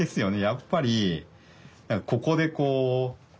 やっぱりここでこう。